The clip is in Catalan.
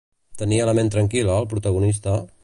Tenia la ment tranquil·la el protagonista?